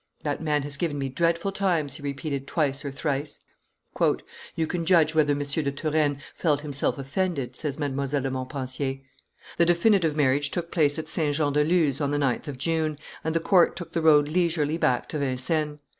"That man has given me dreadful times," he repeated twice or thrice. "You can judge whether M. de Turenne felt himself offended," says Mdlle. de Montpensier. The definitive marriage took place at Saint Jean de Luz on the 9th of June, and the court took the road leisurely back to Vincennes.